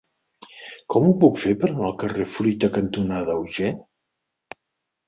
Com ho puc fer per anar al carrer Fruita cantonada Auger?